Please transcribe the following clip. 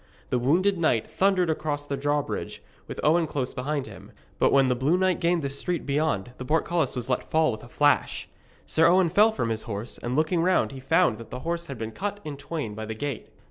The wounded knight thundered across the drawbridge, with Owen close behind him; but when the blue knight gained the street beyond, the portcullis was let fall with a rush. Sir Owen fell from his horse, and looking round he found that the horse had been cut in twain by the gate.